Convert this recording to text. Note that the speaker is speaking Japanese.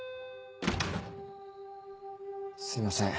すいません